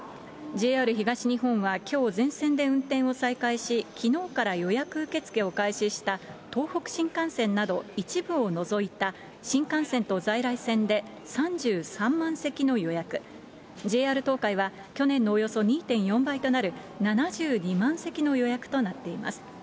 ＪＲ東日本はきょう、全線で運転を再開し、きのうから予約受け付けを開始した東北新幹線など一部を除いた新幹線と在来線で３３万席の予約、ＪＲ東海は去年のおよそ２．４倍となる７２万席の予約となっています。